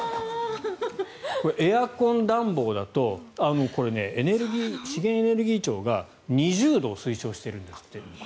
これ、エアコン暖房だと資源エネルギー庁が２０度を推奨しているんですって。